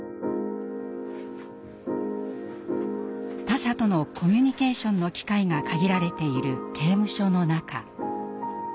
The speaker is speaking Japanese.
他者とのコミュニケーションの機会が限られている刑務所の中。